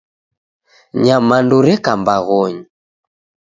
Nyamandu reka mbaghonyi